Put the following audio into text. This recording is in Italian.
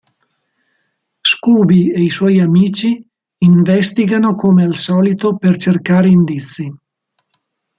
Scooby e i suoi amici investigano come al solito per cercare indizi.